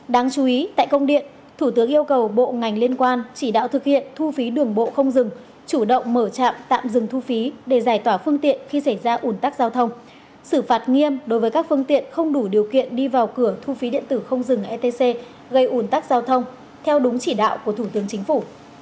đáng chú ý tại công điện thủ tướng yêu cầu bộ ngành liên quan chỉ đạo thực hiện thu phí đường bộ không dừng chủ động mở trạm tạm dừng thu phí để giải tỏa phương tiện khi xảy ra ủn tắc giao thông xử phạt nghiêm đối với các phương tiện không đủ điều kiện đi vào cửa thu phí điện tử không dừng etc gây ủn tắc giao thông theo đúng chỉ đạo của thủ tướng chính phủ